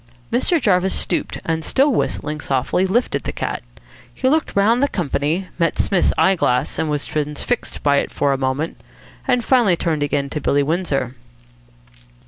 Mr. Jarvis stooped, and, still whistling softly, lifted the cat. He looked round the company, met Psmith's eye glass, was transfixed by it for a moment, and finally turned again to Billy Windsor.